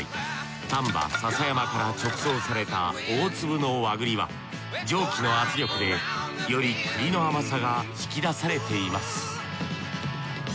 丹波篠山から直送された大粒の和栗は蒸気の圧力でより栗の甘さが引き出されています